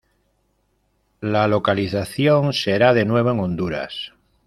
La localización será de nuevo en Honduras.